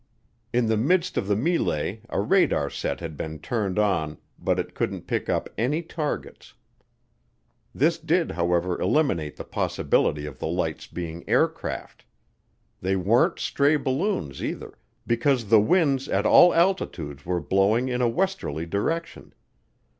In the midst of the melee a radar set had been turned on but it couldn't pick up any targets. This did, however, eliminate the possibility of the lights' being aircraft. They weren't stray balloons either, because the winds at all altitudes were blowing in a westerly direction.